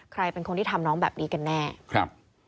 ใครเป็นคนที่ทำน้องแบบนี้กันแน่ครับ